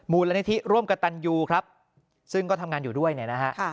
มูลนาทิร่วมกับตันยูครับซึ่งก็ทำงานอยู่ด้วยนะครับ